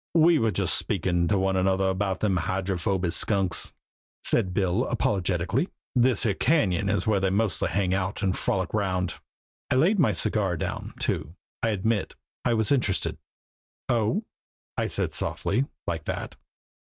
"We were just speakin' to one another about them Hydrophoby Skunks," said Bill apologetically. "This here Cañon is where they mostly hang out and frolic 'round." I laid down my cigar, too. I admit I was interested. "Oh!" I said softly like that.